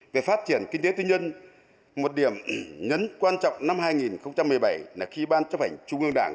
về phát triển kinh tế tư nhân một điểm nhấn quan trọng năm hai nghìn một mươi bảy là khi ban chấp hành trung ương đảng